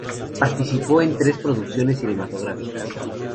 Participó en tres producciones cinematográficas.